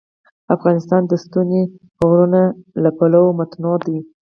افغانستان د ستوني غرونه له پلوه متنوع دی.